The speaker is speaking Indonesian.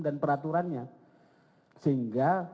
dan peraturannya sehingga